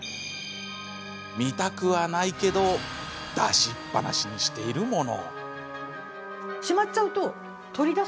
見たくはないけど出しっぱなしにしているもの。